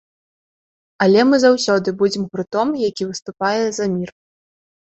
Але мы заўсёды будзем гуртом, які выступае за мір.